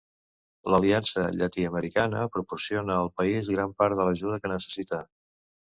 L"aliança llatí-americana proporciona al país gran part de l"ajuda que necessita.